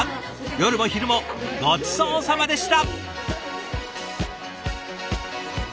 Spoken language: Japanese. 夜も昼もごちそうさまでした！